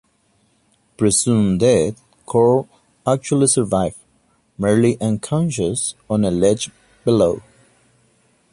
Presumed dead, Karl actually survived, merely unconscious on a ledge below.